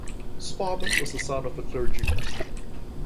Sparrman was the son of a clergyman.